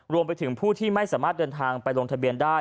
รวมไปถึงผู้ที่ไม่สามารถเดินทางไปลงทะเบียนได้